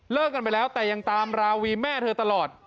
กันไปแล้วแต่ยังตามราวีแม่เธอตลอด